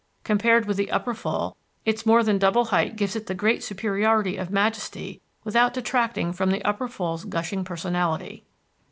Compared with the Upper Fall, its more than double height gives it the great superiority of majesty without detracting from the Upper Fall's gushing personality.